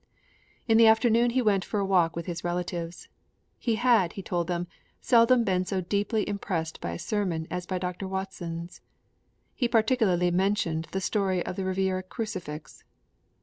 In the afternoon he went for a walk with his relatives. He had, he told them, seldom been so deeply impressed by a sermon as by Dr. Watson's. He particularly mentioned the story of the Riviera crucifix.